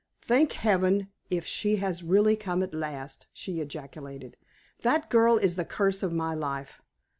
"Thank Heaven if she has really come at last!" she ejaculated; "that girl is the curse of my life!